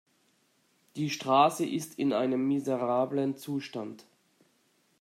Die Straße ist in einem miserablen Zustand.